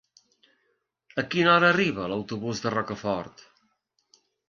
A quina hora arriba l'autobús de Rocafort?